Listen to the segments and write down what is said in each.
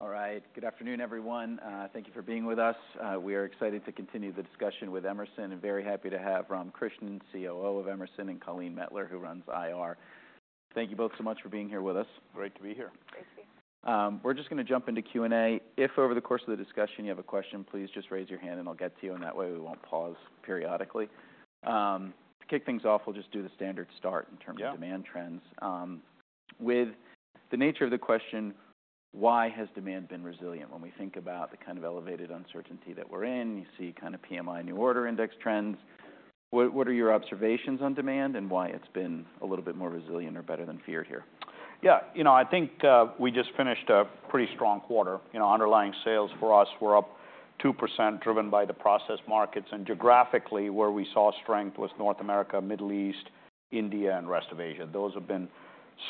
All right. Good afternoon, everyone. Thank you for being with us. We are excited to continue the discussion with Emerson and very happy to have Ram Krishnan, COO of Emerson, and Colleen Mettler, who runs IR. Thank you both so much for being here with us. Great to be here. Thank you. We're just gonna jump into Q&A. If over the course of the discussion you have a question, please just raise your hand and I'll get to you. That way we won't pause periodically. To kick things off, we'll just do the standard start in terms of demand trends. Yeah. With the nature of the question, why has demand been resilient? When we think about the kind of elevated uncertainty that we are in, you see kind of PMI, new order index trends. What are your observations on demand and why it has been a little bit more resilient or better than feared here? Yeah. You know, I think we just finished a pretty strong quarter. You know, underlying sales for us were up 2%, driven by the process markets. And geographically, where we saw strength was North America, Middle East, India, and rest of Asia. Those have been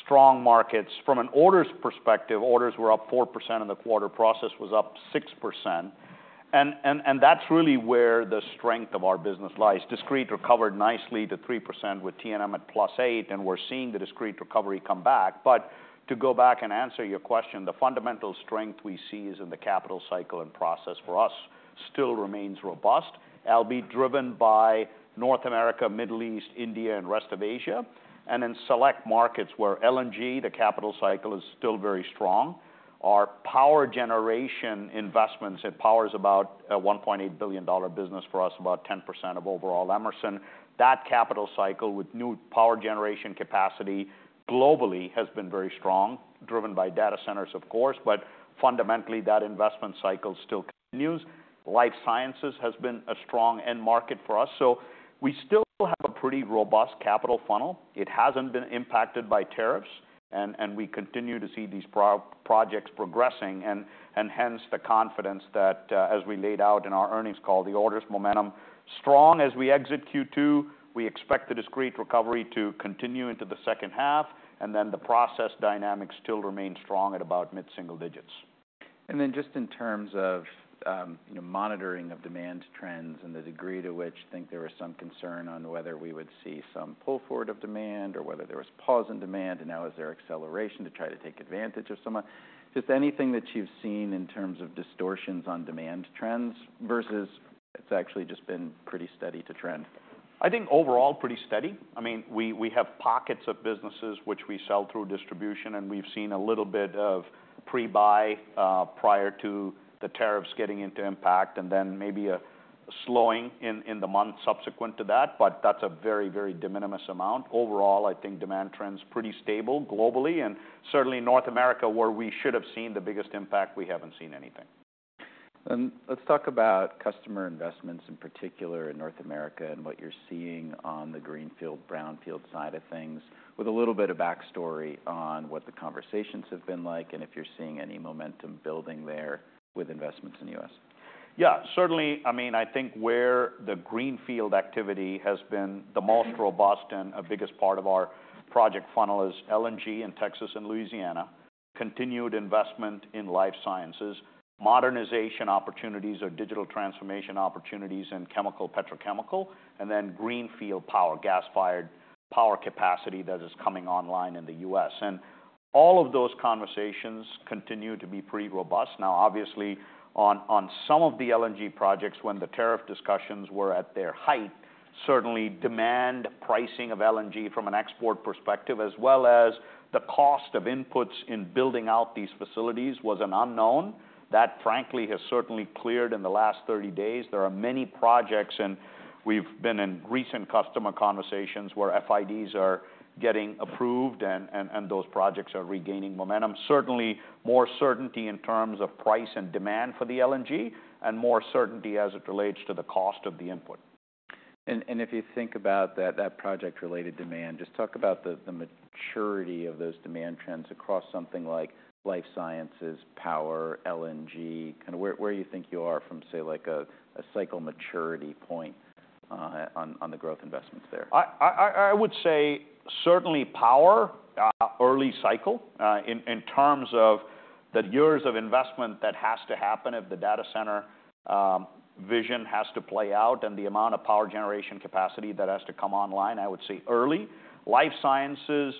strong markets. From an orders perspective, orders were up 4% in the quarter, process was up 6%. And that's really where the strength of our business lies. Discrete recovered nicely to 3% with TNM at +8%, and we're seeing the discrete recovery come back. To go back and answer your question, the fundamental strength we see is in the capital cycle and process for us still remains robust, albeit driven by North America, Middle East, India, and rest of Asia. In select markets where LNG, the capital cycle, is still very strong, our power generation investments—it powers about a $1.8 billion business for us, about 10% of overall Emerson—that capital cycle with new power generation capacity globally has been very strong, driven by data centers, of course. Fundamentally, that investment cycle still continues. Life sciences has been a strong end market for us. We still have a pretty robust capital funnel. It has not been impacted by tariffs, and we continue to see these projects progressing. Hence the confidence that, as we laid out in our earnings call, the orders momentum is strong. As we exit Q2, we expect the discrete recovery to continue into the second half, and the process dynamics still remain strong at about mid-single digits. Just in terms of, you know, monitoring of demand trends and the degree to which you think there was some concern on whether we would see some pull forward of demand or whether there was pause in demand, and now is there acceleration to try to take advantage of some of it? Just anything that you've seen in terms of distortions on demand trends versus it's actually just been pretty steady to trend? I think overall pretty steady. I mean, we have pockets of businesses which we sell through distribution, and we've seen a little bit of pre-buy, prior to the tariffs getting into impact and then maybe a slowing in the months subsequent to that. That is a very, very de minimis amount. Overall, I think demand trends are pretty stable globally. Certainly North America, where we should have seen the biggest impact, we have not seen anything. Let's talk about customer investments in particular in North America and what you're seeing on the greenfield, brownfield side of things, with a little bit of backstory on what the conversations have been like and if you're seeing any momentum building there with investments in the U.S. Yeah. Certainly, I mean, I think where the greenfield activity has been—the Maelstrom Boston, a biggest part of our project funnel—is LNG in Texas and Louisiana, continued investment in life sciences, modernization opportunities or digital transformation opportunities in chemical, petrochemical, and then greenfield power, gas-fired power capacity that is coming online in the U.S. All of those conversations continue to be pretty robust. Now, obviously, on some of the LNG projects, when the tariff discussions were at their height, certainly demand pricing of LNG from an export perspective, as well as the cost of inputs in building out these facilities, was an unknown. That, frankly, has certainly cleared in the last 30 days. There are many projects, and we've been in recent customer conversations where FIDs are getting approved, and those projects are regaining momentum. Certainly, more certainty in terms of price and demand for the LNG and more certainty as it relates to the cost of the input. If you think about that project-related demand, just talk about the maturity of those demand trends across something like life sciences, power, LNG, kinda where you think you are from, say, like a cycle maturity point, on the growth investments there. I would say certainly power, early cycle, in terms of the years of investment that has to happen if the data center vision has to play out and the amount of power generation capacity that has to come online, I would say early. Life sciences,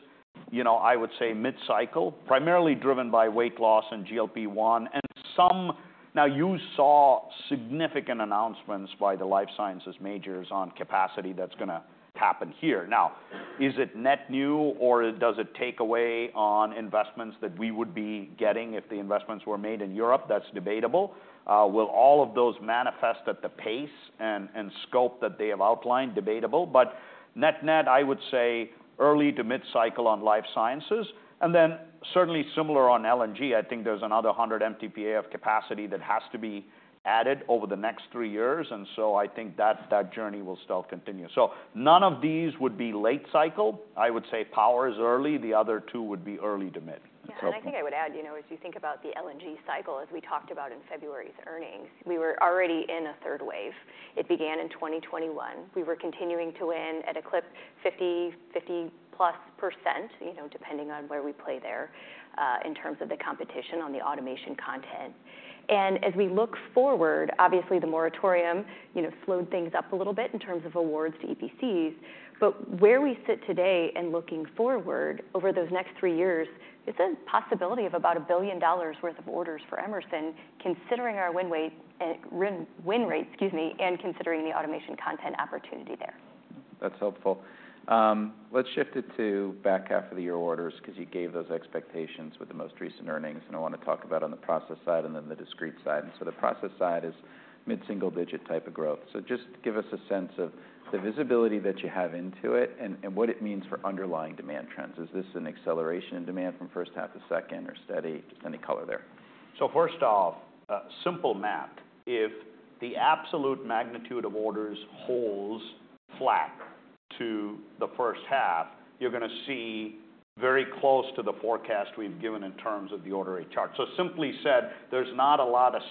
you know, I would say mid-cycle, primarily driven by weight loss and GLP-1 and some. Now, you saw significant announcements by the life sciences majors on capacity that's gonna happen here. Now, is it net new or does it take away on investments that we would be getting if the investments were made in Europe? That's debatable. Will all of those manifest at the pace and scope that they have outlined? Debatable. But net-net, I would say early to mid-cycle on life sciences. Certainly similar on LNG, I think there is another 100 MTPA of capacity that has to be added over the next three years. I think that journey will still continue. None of these would be late cycle. I would say power is early. The other two would be early to mid. Yeah. I think I would add, you know, as you think about the LNG cycle, as we talked about in February's earnings, we were already in a third wave. It began in 2021. We were continuing to win at a clip, 50%, 50%+, you know, depending on where we play there, in terms of the competition on the automation content. As we look forward, obviously the moratorium, you know, slowed things up a little bit in terms of awards to EPCs. Where we sit today and looking forward over those next three years, it's a possibility of about $1 billion worth of orders for Emerson, considering our win rate, excuse me, and considering the automation content opportunity there. That's helpful. Let's shift it to back half of the year orders 'cause you gave those expectations with the most recent earnings. I wanna talk about on the process side and then the discrete side. The process side is mid-single digit type of growth. Just give us a sense of the visibility that you have into it and what it means for underlying demand trends. Is this an acceleration in demand from first half to second or steady? Just any color there. First off, simple math. If the absolute magnitude of orders holds flat to the first half, you're gonna see very close to the forecast we've given in terms of the orderly chart. Simply said, there's not a lot of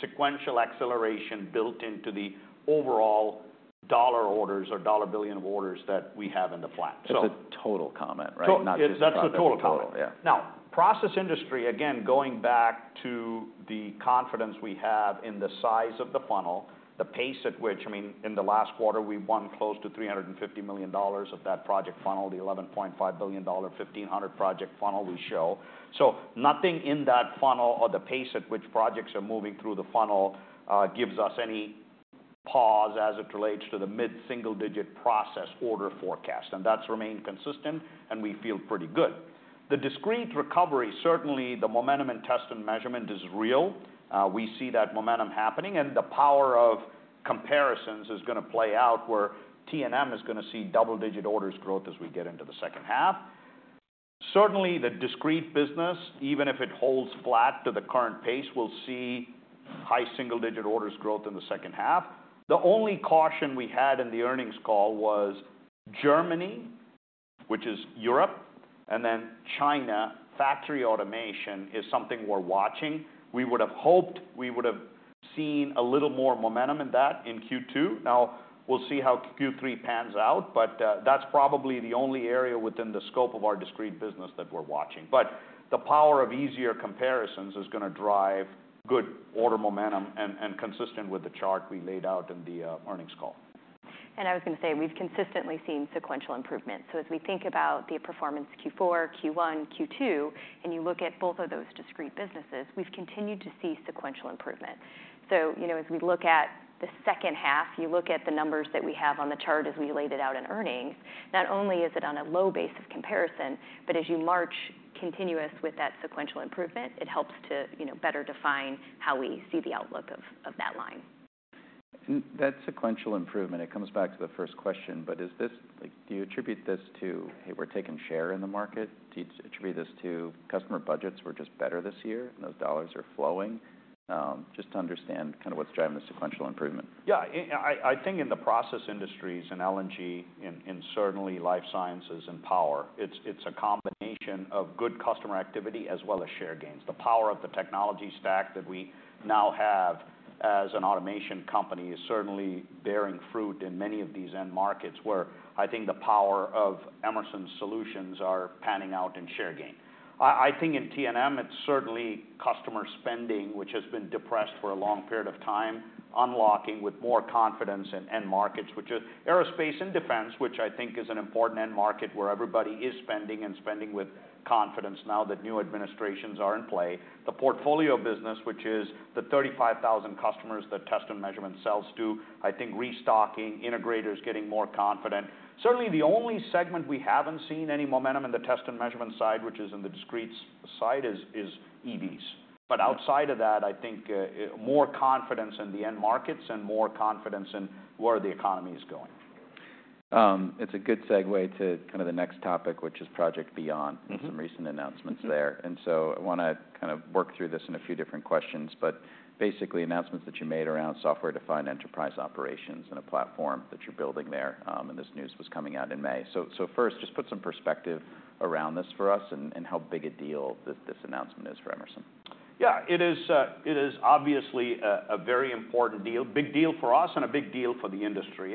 sequential acceleration built into the overall dollar orders or dollar billion of orders that we have in the flat. That's a total comment, right? Not just a total. That's a total comment. Yeah. Now, process industry, again, going back to the confidence we have in the size of the funnel, the pace at which, I mean, in the last quarter, we won close to $350 million of that project funnel, the $11.5 billion, 1,500 project funnel we show. Nothing in that funnel or the pace at which projects are moving through the funnel gives us any pause as it relates to the mid-single digit process order forecast. That has remained consistent, and we feel pretty good. The discrete recovery, certainly the momentum in test and measurement is real. We see that momentum happening. The power of comparisons is gonna play out where T&M is gonna see double-digit orders growth as we get into the second half. Certainly, the discrete business, even if it holds flat to the current pace, we'll see high single-digit orders growth in the second half. The only caution we had in the earnings call was Germany, which is Europe, and then China. Factory automation is something we're watching. We would have hoped we would have seen a little more momentum in that in Q2. Now, we'll see how Q3 pans out. That's probably the only area within the scope of our discrete business that we're watching. The power of easier comparisons is gonna drive good order momentum and consistent with the chart we laid out in the earnings call. I was gonna say we've consistently seen sequential improvement. As we think about the performance Q4, Q1, Q2, and you look at both of those discrete businesses, we've continued to see sequential improvement. You know, as we look at the second half, you look at the numbers that we have on the chart as we laid it out in earnings, not only is it on a low base of comparison, but as you march continuous with that sequential improvement, it helps to, you know, better define how we see the outlook of, of that line. That sequential improvement, it comes back to the first question, but is this, like, do you attribute this to, hey, we're taking share in the market? Do you attribute this to customer budgets were just better this year and those dollars are flowing? Just to understand kinda what's driving the sequential improvement. Yeah. I think in the process industries and LNG and certainly life sciences and power, it's a combination of good customer activity as well as share gains. The power of the technology stack that we now have as an automation company is certainly bearing fruit in many of these end markets where I think the power of Emerson's solutions are panning out in share gain. I think in T&M, it's certainly customer spending, which has been depressed for a long period of time, unlocking with more confidence in end markets, which is aerospace and defense, which I think is an important end market where everybody is spending and spending with confidence now that new administrations are in play. The portfolio business, which is the 35,000 customers that test and measurement sells to, I think restocking, integrators getting more confident. Certainly, the only segment we have not seen any momentum in the test and measurement side, which is in the discrete side, is EVs. Outside of that, I think, more confidence in the end markets and more confidence in where the economy is going. It's a good segue to kinda the next topic, which is Project Beyond and some recent announcements there. I wanna kind of work through this in a few different questions, but basically announcements that you made around software-defined enterprise operations and a platform that you're building there, and this news was coming out in May. First, just put some perspective around this for us and how big a deal this announcement is for Emerson. Yeah. It is obviously a very important deal, big deal for us and a big deal for the industry.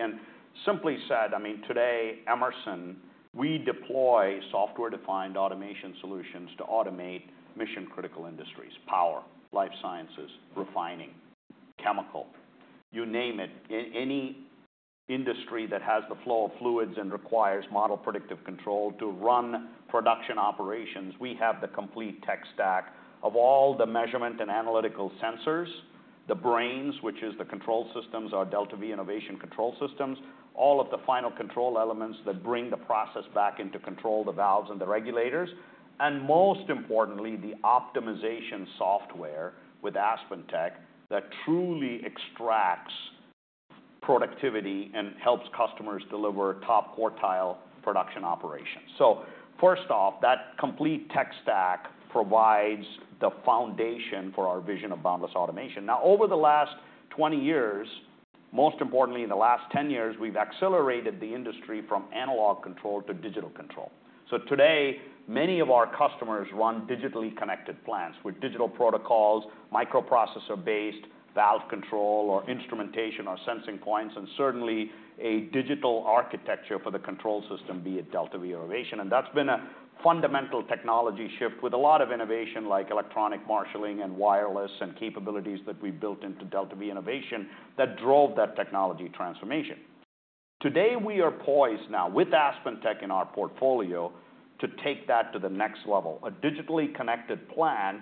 Simply said, I mean, today, Emerson, we deploy software-defined automation solutions to automate mission-critical industries: power, life sciences, refining, chemical, you name it. Any industry that has the flow of fluids and requires model predictive control to run production operations, we have the complete tech stack of all the measurement and analytical sensors, the brains, which is the control systems, our DeltaV Innovation Control Systems, all of the final control elements that bring the process back into control, the valves and the regulators. Most importantly, the optimization software with AspenTech that truly extracts productivity and helps customers deliver top quartile production operations. First off, that complete tech stack provides the foundation for our vision of boundless automation. Now, over the last 20 years, most importantly, in the last 10 years, we've accelerated the industry from analog control to digital control. Today, many of our customers run digitally connected plants with digital protocols, microprocessor-based valve control or instrumentation or sensing points, and certainly a digital architecture for the control system, be it DeltaV Innovation. That's been a fundamental technology shift with a lot of innovation like electronic marshaling and wireless and capabilities that we built into DeltaV Innovation that drove that technology transformation. Today, we are poised now with AspenTech in our portfolio to take that to the next level, a digitally connected plant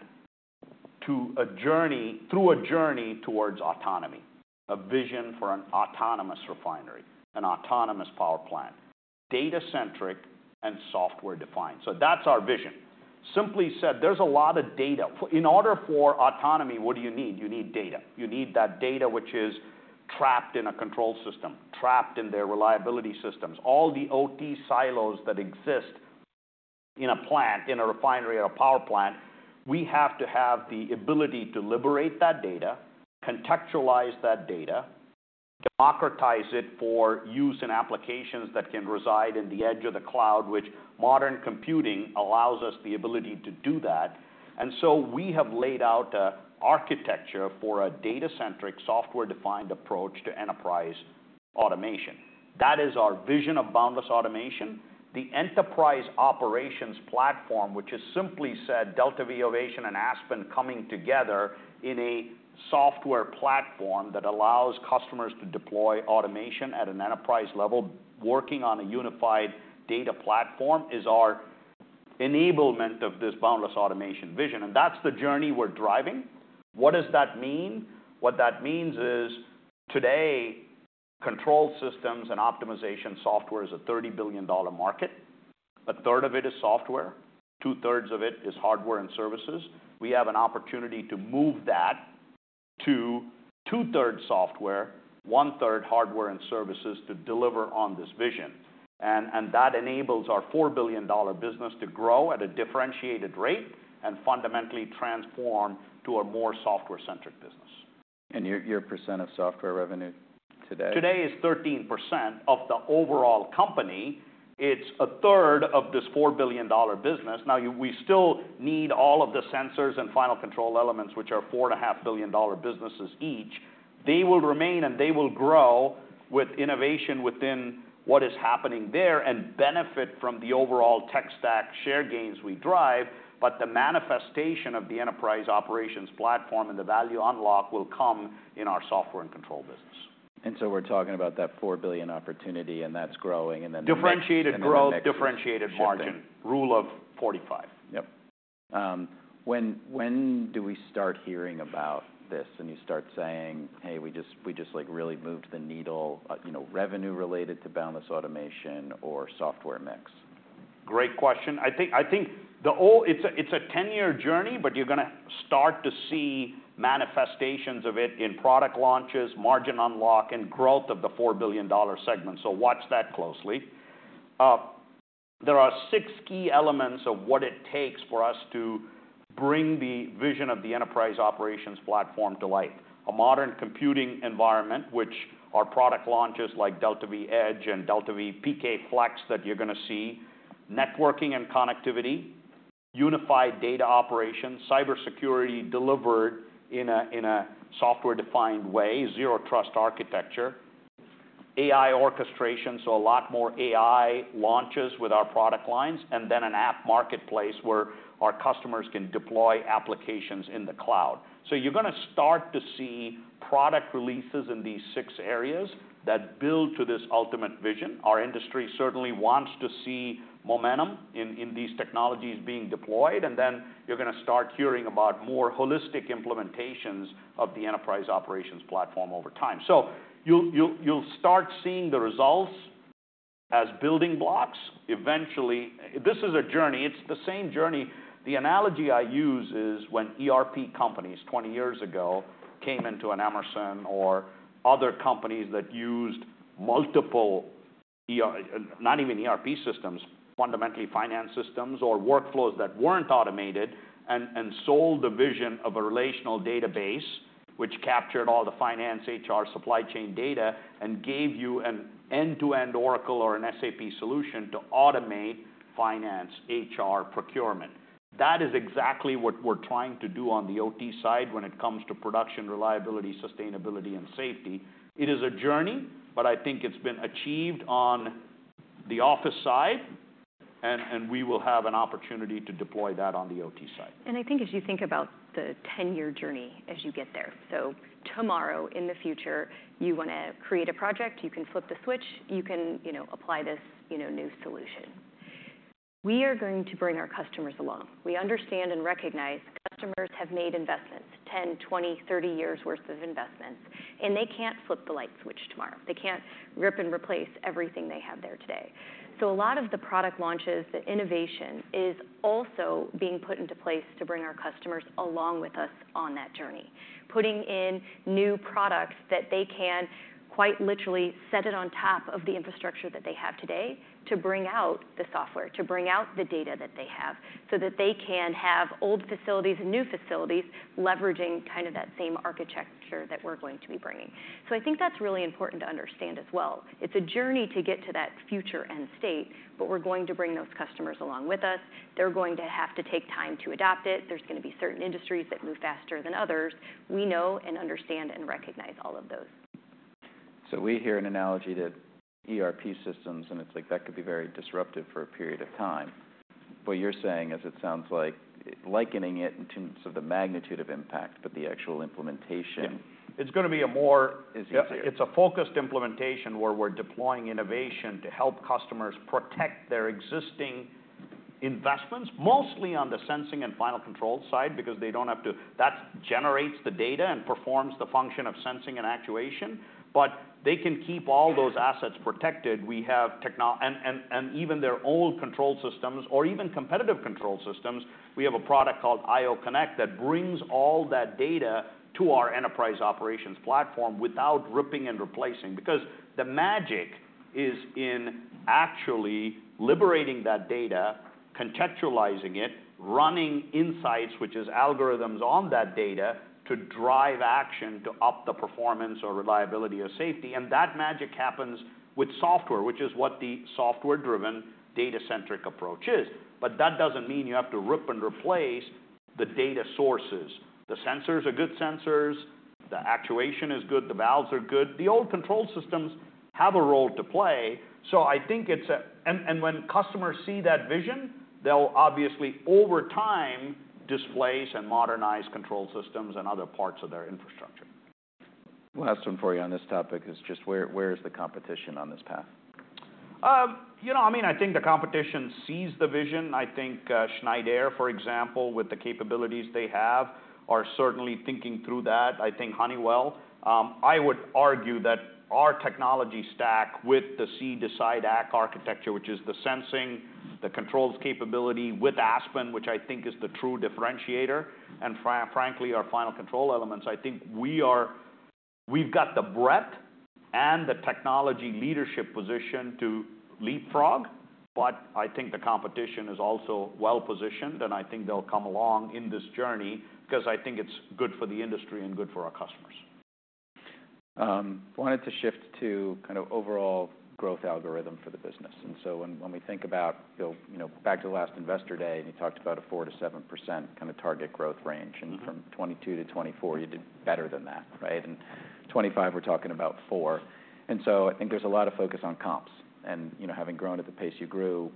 to a journey through a journey towards autonomy, a vision for an autonomous refinery, an autonomous power plant, data-centric and software-defined. That's our vision. Simply said, there's a lot of data. In order for autonomy, what do you need? You need data. You need that data, which is trapped in a control system, trapped in their reliability systems, all the OT silos that exist in a plant, in a refinery, at a power plant. We have to have the ability to liberate that data, contextualize that data, democratize it for use and applications that can reside in the edge of the cloud, which modern computing allows us the ability to do that. We have laid out an architecture for a data-centric software-defined approach to enterprise automation. That is our vision of boundless automation. The enterprise operations platform, which is simply said, DeltaV Innovation and Aspen coming together in a software platform that allows customers to deploy automation at an enterprise level, working on a unified data platform, is our enablement of this boundless automation vision. That is the journey we are driving. What does that mean? What that means is today, control systems and optimization software is a $30 billion market. 1/3 of it is software. 2/3 of it is hardware and services. We have an opportunity to move that to 2/3 software,1/3 hardware and services to deliver on this vision. That enables our $4 billion business to grow at a differentiated rate and fundamentally transform to a more software-centric business. Your percent of software revenue today? Today is 13% of the overall company. It's 1/3 of this $4 billion business. Now, we still need all of the sensors and final control elements, which are $4.5 billion businesses each. They will remain and they will grow with innovation within what is happening there and benefit from the overall tech stack share gains we drive. The manifestation of the enterprise operations platform and the value unlock will come in our software and control business. We're talking about that $4 billion opportunity, and that's growing, and then the. Differentiated growth, differentiated margin, rule of 45. Yep. When do we start hearing about this and you start saying, "Hey, we just, we just like really moved the needle," you know, revenue related to boundless automation or software mix? Great question. I think the whole, it's a 10-year journey, but you're gonna start to see manifestations of it in product launches, margin unlock, and growth of the $4 billion segment. Watch that closely. There are six key elements of what it takes for us to bring the vision of the enterprise operations platform to light: a modern computing environment, which our product launches like DeltaV Edge and DeltaV PK Flex that you're gonna see; networking and connectivity; unified data operations; cybersecurity delivered in a software-defined way; zero trust architecture; AI orchestration, so a lot more AI launches with our product lines; and then an app marketplace where our customers can deploy applications in the cloud. You're gonna start to see product releases in these six areas that build to this ultimate vision. Our industry certainly wants to see momentum in these technologies being deployed. You're gonna start hearing about more holistic implementations of the enterprise operations platform over time. You'll start seeing the results as building blocks. Eventually, this is a journey. It's the same journey. The analogy I use is when ERP companies 20 years ago came into an Emerson or other companies that used multiple, not even ERP systems, fundamentally finance systems or workflows that weren't automated, and sold the vision of a relational database, which captured all the finance, HR, supply chain data and gave you an end-to-end Oracle or an SAP solution to automate finance, HR, procurement. That is exactly what we're trying to do on the OT side when it comes to production, reliability, sustainability, and safety. It is a journey, but I think it's been achieved on the office side, and we will have an opportunity to deploy that on the OT side. I think as you think about the 10-year journey as you get there, tomorrow in the future, you wanna create a project, you can flip the switch, you can, you know, apply this, you know, new solution. We are going to bring our customers along. We understand and recognize customers have made investments, 10, 20, 30 years' worth of investments, and they can't flip the light switch tomorrow. They can't rip and replace everything they have there today. A lot of the product launches, the innovation is also being put into place to bring our customers along with us on that journey, putting in new products that they can quite literally set it on top of the infrastructure that they have today to bring out the software, to bring out the data that they have so that they can have old facilities and new facilities leveraging kind of that same architecture that we're going to be bringing. I think that's really important to understand as well. It's a journey to get to that future end state, but we're going to bring those customers along with us. They're going to have to take time to adopt it. There's gonna be certain industries that move faster than others. We know and understand and recognize all of those. We hear an analogy to ERP systems, and it's like that could be very disruptive for a period of time. What you're saying is it sounds like likening it in terms of the magnitude of impact, but the actual implementation. Yeah. It's gonna be a more. Is easier. It's a focused implementation where we're deploying innovation to help customers protect their existing investments, mostly on the sensing and final control side because they don't have to, that generates the data and performs the function of sensing and actuation, but they can keep all those assets protected. We have technol and even their own control systems or even competitive control systems. We have a product called IO.Connect that brings all that data to our enterprise operations platform without ripping and replacing because the magic is in actually liberating that data, contextualizing it, running insights, which is algorithms on that data to drive action to up the performance or reliability or safety. That magic happens with software, which is what the software-driven, data-centric approach is. That doesn't mean you have to rip and replace the data sources. The sensors are good, the actuation is good, the valves are good. The old control systems have a role to play. I think it's a, and when customers see that vision, they'll obviously over time displace and modernize control systems and other parts of their infrastructure. Last one for you on this topic is just where, where is the competition on this path? You know, I mean, I think the competition sees the vision. I think Schneider, for example, with the capabilities they have, are certainly thinking through that. I think Honeywell, I would argue that our technology stack with the See-Decide-Act architecture, which is the sensing, the controls capability with Aspen, which I think is the true differentiator, and frankly, our final control elements, I think we are, we've got the breadth and the technology leadership position to leapfrog. I think the competition is also well-positioned, and I think they'll come along in this journey because I think it's good for the industry and good for our customers. Wanted to shift to kind of overall growth algorithm for the business. When we think about, you know, back to the last investor day, and you talked about a 4%-7% kind of target growth range. Mm-hmm. From 2022 to 2024, you did better than that, right? In 2025, we're talking about 4%. I think there's a lot of focus on comps. You know, having grown at the pace you grew,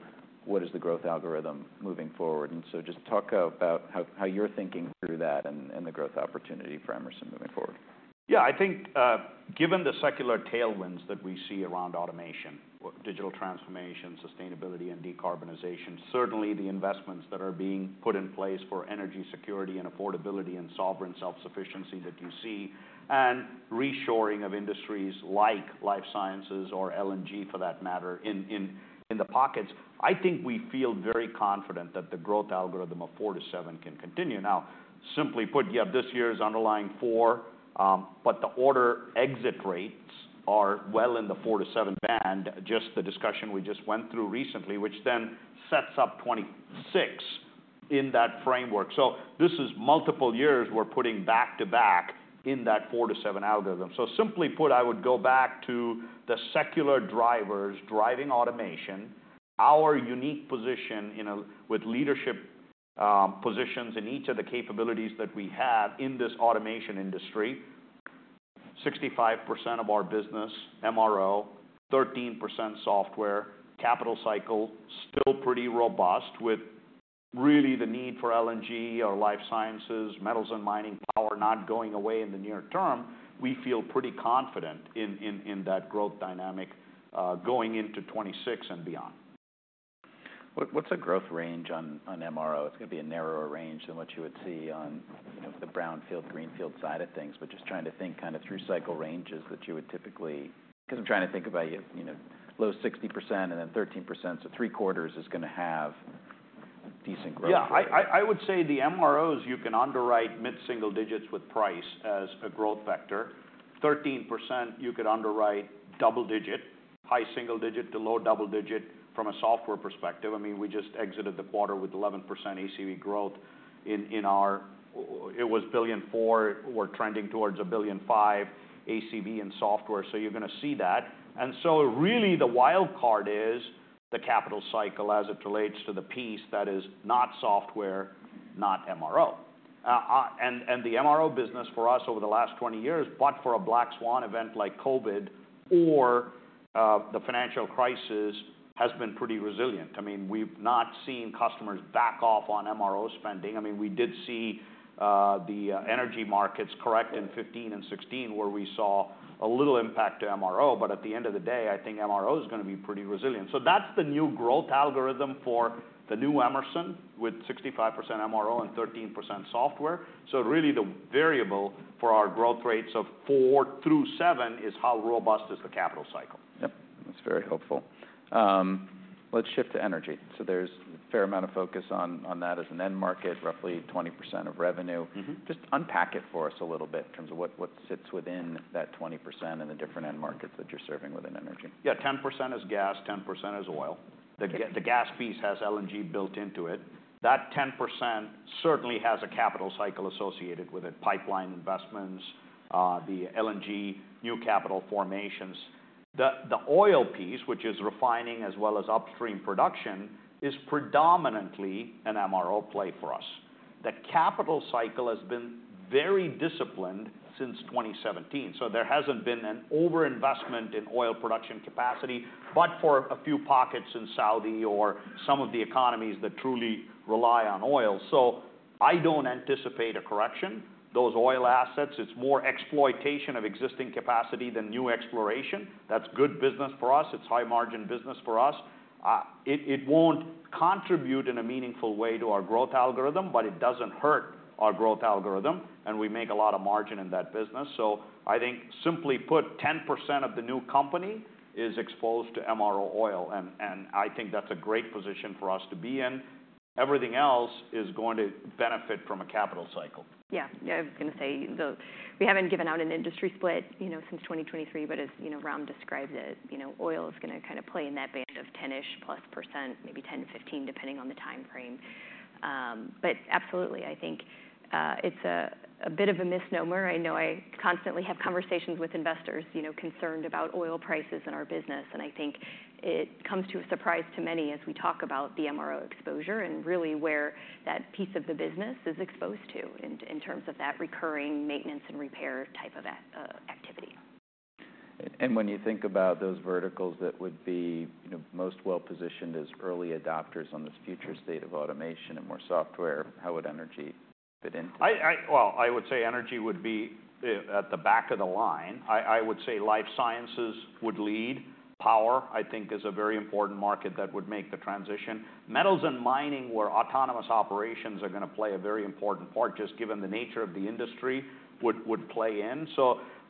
what is the growth algorithm moving forward? Just talk about how you're thinking through that and the growth opportunity for Emerson moving forward. Yeah. I think, given the secular tailwinds that we see around automation, digital transformation, sustainability, and decarbonization, certainly the investments that are being put in place for energy security and affordability and sovereign self-sufficiency that you see and reshoring of industries like life sciences or LNG for that matter in the pockets, I think we feel very confident that the growth algorithm of 4%-7% can continue. Now, simply put, you have this year's underlying 4%, but the order exit rates are well in the 4%-7% band, just the discussion we just went through recently, which then sets up 2026 in that framework. This is multiple years we are putting back to back in that 4%-7% algorithm. Simply put, I would go back to the secular drivers driving automation, our unique position with leadership positions in each of the capabilities that we have in this automation industry. 65% of our business MRO, 13% software, capital cycle still pretty robust with really the need for LNG or life sciences, metals and mining, power not going away in the near term. We feel pretty confident in that growth dynamic, going into 2026 and beyond. What, what's the growth range on, on MRO? It's gonna be a narrower range than what you would see on, you know, the brownfield, greenfield side of things, but just trying to think kind of through cycle ranges that you would typically, 'cause I'm trying to think about, you know, low 60% and then 13%. So 3/4 is gonna have decent growth. Yeah. I would say the MROs, you can underwrite mid-single digits with price as a growth vector. 13%, you could underwrite double-digit, high single digit to low double-digit from a software perspective. I mean, we just exited the quarter with 11% ACV growth in, in our, it was $1.4 billion. We're trending towards $1.5 billion ACV in software. So you're gonna see that. And so really the wild card is the capital cycle as it relates to the piece that is not software, not MRO. And the MRO business for us over the last 20 years, but for a black swan event like COVID or the financial crisis, has been pretty resilient. I mean, we've not seen customers back off on MRO spending. I mean, we did see the energy markets correct in 2015 and 2016 where we saw a little impact to MRO. At the end of the day, I think MRO is gonna be pretty resilient. That is the new growth algorithm for the new Emerson with 65% MRO and 13% software. Really the variable for our growth rates of 4%-7% is how robust is the capital cycle. Yep. That's very helpful. Let's shift to energy. There's a fair amount of focus on that as an end market, roughly 20% of revenue. Mm-hmm. Just unpack it for us a little bit in terms of what, what sits within that 20% and the different end markets that you're serving within energy. Yeah. 10% is gas, 10% is oil. The gas, the gas piece has LNG built into it. That 10% certainly has a capital cycle associated with it: pipeline investments, the LNG new capital formations. The oil piece, which is refining as well as upstream production, is predominantly an MRO play for us. The capital cycle has been very disciplined since 2017. There has not been an over-investment in oil production capacity, but for a few pockets in Saudi or some of the economies that truly rely on oil. I do not anticipate a correction. Those oil assets, it is more exploitation of existing capacity than new exploration. That is good business for us. It is high-margin business for us. It will not contribute in a meaningful way to our growth algorithm, but it does not hurt our growth algorithm, and we make a lot of margin in that business. I think simply put, 10% of the new company is exposed to MRO oil. I think that's a great position for us to be in. Everything else is going to benefit from a capital cycle. Yeah. Yeah. I was gonna say, we have not given out an industry split, you know, since 2023, but as you know, Ram described it, oil is gonna kind of play in that band of 10%+, maybe 10%-15%, depending on the timeframe. Absolutely, I think it is a bit of a misnomer. I know I constantly have conversations with investors, you know, concerned about oil prices in our business. I think it comes as a surprise to many as we talk about the MRO exposure and really where that piece of the business is exposed to in terms of that recurring maintenance and repair type of activity. When you think about those verticals that would be, you know, most well-positioned as early adopters on this future state of automation and more software, how would energy fit into that? I would say energy would be at the back of the line. I would say life sciences would lead. Power, I think, is a very important market that would make the transition. Metals and mining, where autonomous operations are gonna play a very important part, just given the nature of the industry, would play in.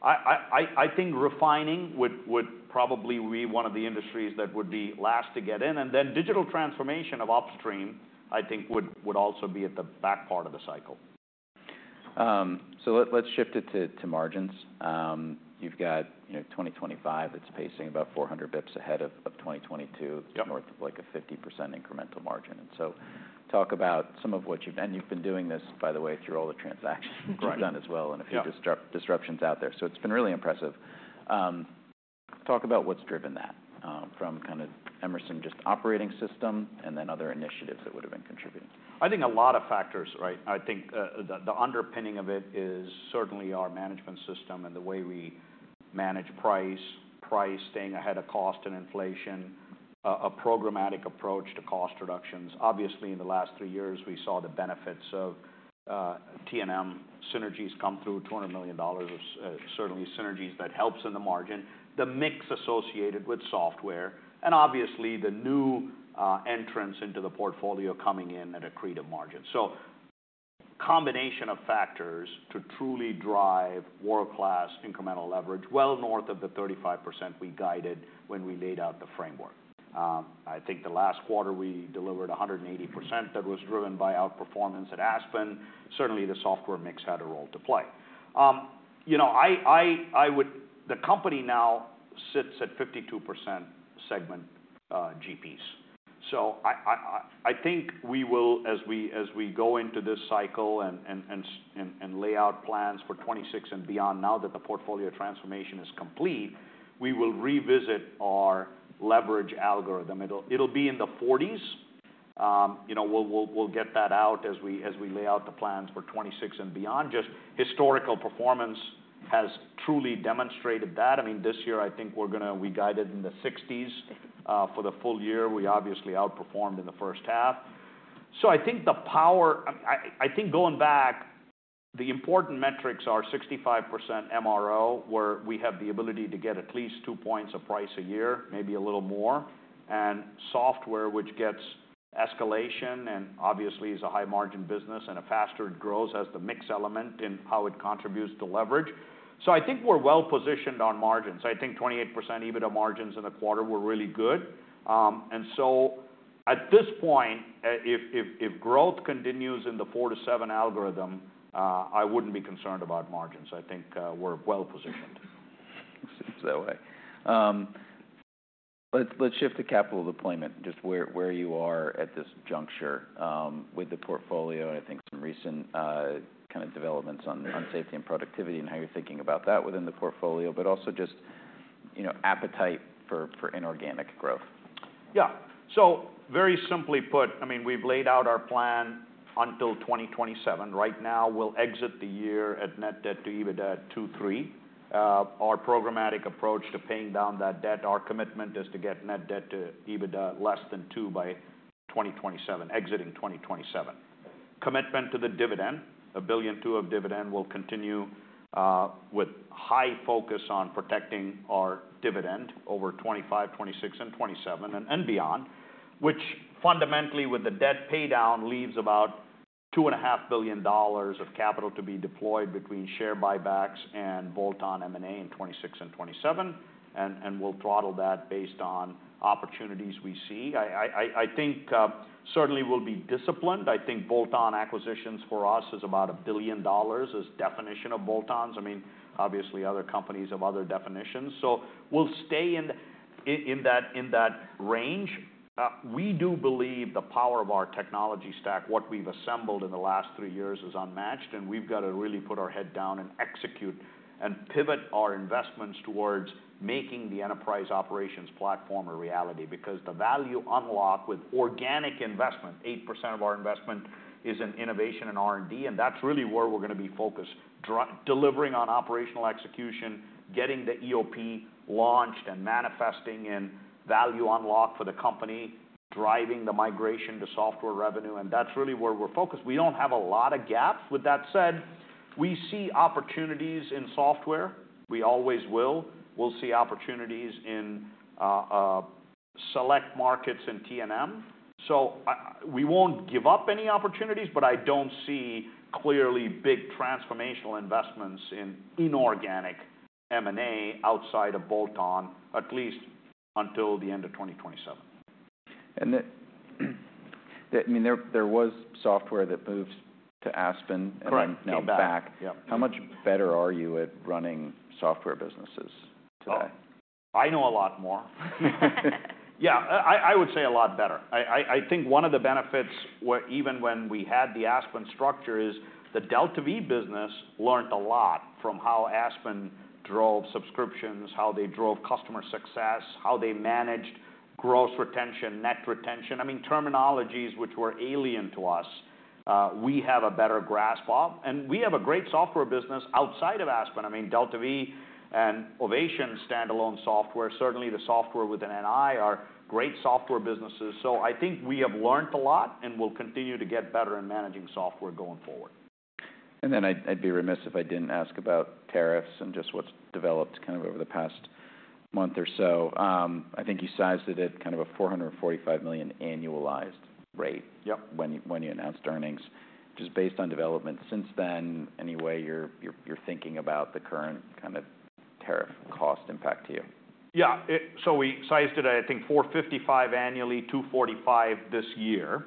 I think refining would probably be one of the industries that would be last to get in. Digital transformation of upstream, I think, would also be at the back part of the cycle. So let's shift it to, to margins. You've got, you know, 2025, it's pacing about 400 bps ahead of, of 2022. Yep. North of like a 50% incremental margin. Talk about some of what you've, and you've been doing this, by the way, through all the transactions you've done as well. Right. A few disruptions out there. It has been really impressive. Talk about what has driven that, from kind of Emerson just operating system and then other initiatives that would have been contributing. I think a lot of factors, right? I think the underpinning of it is certainly our management system and the way we manage price, price staying ahead of cost and inflation, a programmatic approach to cost reductions. Obviously, in the last three years, we saw the benefits of T&M synergies come through, $200 million of certainly synergies that helps in the margin, the mix associated with software, and obviously the new entrants into the portfolio coming in at a creative margin. So combination of factors to truly drive world-class incremental leverage well north of the 35% we guided when we laid out the framework. I think the last quarter we delivered 180% that was driven by outperformance at Aspen. Certainly, the software mix had a role to play. You know, I would, the company now sits at 52% segment GPs. I think we will, as we go into this cycle and lay out plans for 2026 and beyond, now that the portfolio transformation is complete, we will revisit our leverage algorithm. It'll be in the 40s. You know, we'll get that out as we lay out the plans for 2026 and beyond. Just historical performance has truly demonstrated that. I mean, this year, I think we're gonna, we guided in the 60s for the full year. We obviously outperformed in the first half. I think the power, I think going back, the important metrics are 65% MRO, where we have the ability to get at least two points of price a year, maybe a little more, and software, which gets escalation and obviously is a high-margin business and a faster growth as the mix element in how it contributes to leverage. I think we're well-positioned on margins. I think 28% EBITDA margins in the quarter were really good. At this point, if growth continues in the 4%-7% algorithm, I wouldn't be concerned about margins. I think we're well-positioned. Let's leave it that way. Let's shift to capital deployment, just where you are at this juncture, with the portfolio and I think some recent, kind of developments on safety and productivity and how you're thinking about that within the portfolio, but also just, you know, appetite for, for inorganic growth. Yeah. Very simply put, I mean, we've laid out our plan until 2027. Right now, we'll exit the year at net debt to EBITDA at 2.3. Our programmatic approach to paying down that debt, our commitment is to get net debt to EBITDA less than 2 by 2027, exiting 2027. Commitment to the dividend, $1.2 billion of dividend will continue, with high focus on protecting our dividend over 2025, 2026, and 2027 and beyond, which fundamentally with the debt paydown leaves about $2.5 billion of capital to be deployed between share buybacks and bolt-on M&A in 2026 and 2027. We'll throttle that based on opportunities we see. I think, certainly we'll be disciplined. I think bolt-on acquisitions for us is about $1 billion as definition of bolt-ons. I mean, obviously other companies have other definitions. We'll stay in that range. We do believe the power of our technology stack, what we've assembled in the last three years, is unmatched, and we've gotta really put our head down and execute and pivot our investments towards making the enterprise operations platform a reality because the value unlock with organic investment, 8% of our investment is in innovation and R&D, and that's really where we're gonna be focused, delivering on operational execution, getting the EOP launched and manifesting in value unlock for the company, driving the migration to software revenue. That's really where we're focused. We don't have a lot of gaps. With that said, we see opportunities in software. We always will. We'll see opportunities in select markets in T&M. I, we won't give up any opportunities, but I don't see clearly big transformational investments in inorganic M&A outside of bolt-on, at least until the end of 2027. That, I mean, there was software that moved to Aspen and now back. Correct. Exactly. How much better are you at running software businesses today? I know a lot more. Yeah. I would say a lot better. I think one of the benefits where even when we had the Aspen structure is the DeltaV business learned a lot from how Aspen drove subscriptions, how they drove customer success, how they managed gross retention, net retention. I mean, terminologies which were alien to us, we have a better grasp of, and we have a great software business outside of Aspen. I mean, DeltaV and Ovation standalone software, certainly the software within NI are great software businesses. I think we have learned a lot and we'll continue to get better in managing software going forward. I'd be remiss if I didn't ask about tariffs and just what's developed kind of over the past month or so. I think you sized it at kind of a $445 million annualized rate. Yep. When you announced earnings, just based on development since then, any way you're thinking about the current kind of tariff cost impact to you? Yeah. It, so we sized it at, I think, $455 million annually, $245 million this year.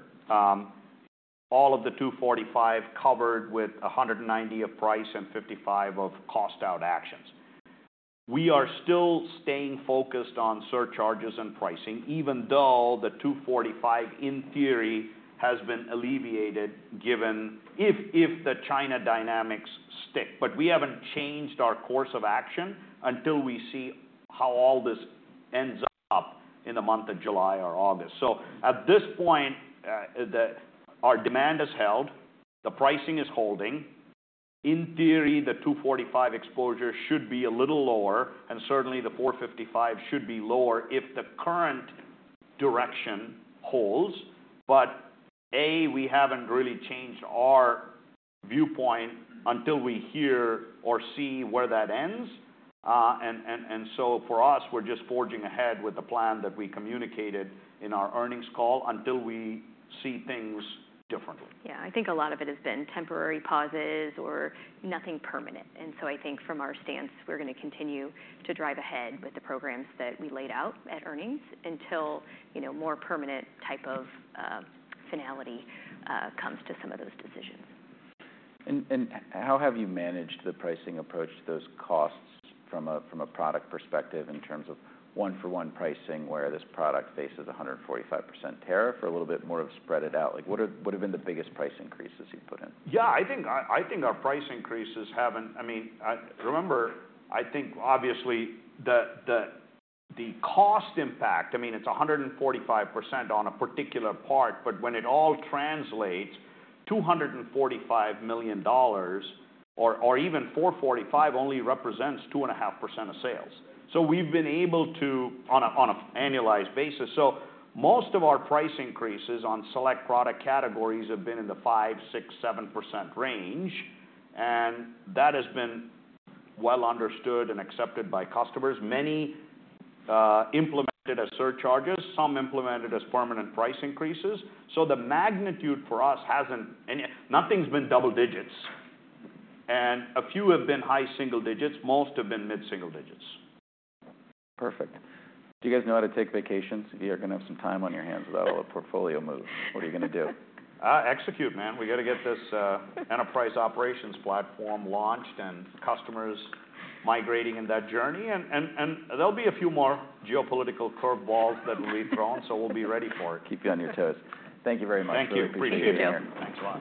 All of the $245 million covered with $190 million of price and $55 million of cost-out actions. We are still staying focused on surcharges and pricing, even though the $245 million in theory has been alleviated given if, if the China dynamics stick. We have not changed our course of action until we see how all this ends up in the month of July or August. At this point, our demand has held, the pricing is holding. In theory, the $245 million exposure should be a little lower, and certainly the $455 million should be lower if the current direction holds. We have not really changed our viewpoint until we hear or see where that ends. And for us, we're just forging ahead with the plan that we communicated in our earnings call until we see things differently. Yeah. I think a lot of it has been temporary pauses or nothing permanent. I think from our stance, we're gonna continue to drive ahead with the programs that we laid out at earnings until, you know, more permanent type of finality comes to some of those decisions. How have you managed the pricing approach to those costs from a product perspective in terms of one-for-one pricing where this product faces 145% tariff or a little bit more of spread it out? What have been the biggest price increases you have put in? Yeah. I think, I think our price increases haven't, I mean, I remember, I think obviously the, the cost impact, I mean, it's 145% on a particular part, but when it all translates, $245 million or, or even $445 million only represents 2.5% of sales. We've been able to, on an annualized basis. Most of our price increases on select product categories have been in the 5%-7% range, and that has been well understood and accepted by customers. Many implemented as surcharges, some implemented as permanent price increases. The magnitude for us hasn't, nothing's been double digits, and a few have been high single digits, most have been mid-single digits. Perfect. Do you guys know how to take vacations? You're gonna have some time on your hands with all the portfolio move. What are you gonna do? Execute, man. We gotta get this enterprise operations platform launched and customers migrating in that journey. There will be a few more geopolitical curveballs that will be thrown, so we'll be ready for it. Keep you on your toes. Thank you very much. Thank you. Appreciate it. Thank you. Thanks. Bye.